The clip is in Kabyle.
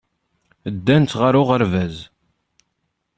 Ddant ɣer uɣerbaz.